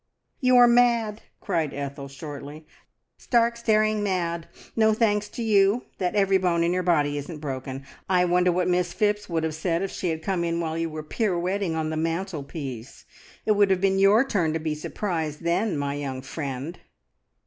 "You are mad!" cried Ethel shortly. "Stark, staring mad! No thanks to you that every bone in your body isn't broken. I wonder what Miss Phipps would have said if she had come in, while you were pirouetting on the mantelpiece! It would have been your turn to be surprised then, my young friend."